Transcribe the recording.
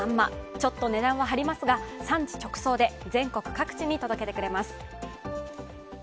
ちょっと値段は張りますが、産地直送で全国各地に届けてくれます。